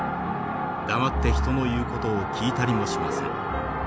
黙って人の言う事を聞いたりもしません。